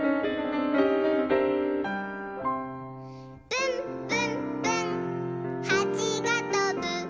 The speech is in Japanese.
「ぶんぶんぶんはちがとぶ」